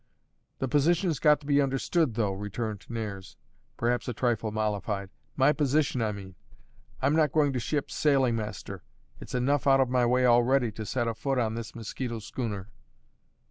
"The position's got to be understood, though," returned Nares, perhaps a trifle mollified. "My position, I mean. I'm not going to ship sailing master; it's enough out of my way already, to set a foot on this mosquito schooner."